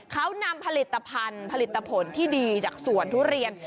เขานำผลิตภัณฑ์ผลิตผลที่ดีจากสวนทุเรียน